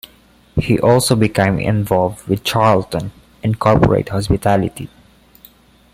He also became involved with Charlton in corporate hospitality.